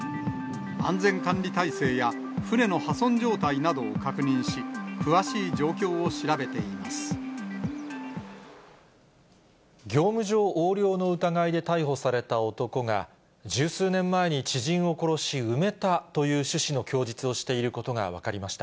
安全管理体制や船の破損状態などを確認し、詳しい状況を調べてい業務上横領の疑いで逮捕された男が、十数年前に知人を殺し、埋めたという趣旨の供述をしていることが分かりました。